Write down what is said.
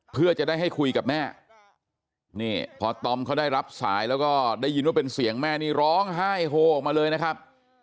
เพื่อจะได้ให้คุยกับแม่นี่พอตอมเขาได้รับสายแล้วก็ได้ยินว่าเป็นเสียงแม่นี่ร้องไห้โฮออกมาเลยนะครับ